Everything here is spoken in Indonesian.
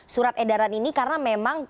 surat edaran ini karena memang